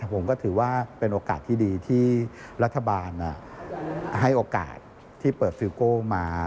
ผมก็ถือว่าเป็นโอกาสที่ดีที่รัฐบาลให้โอกาสที่เปิดฟิลโก้มา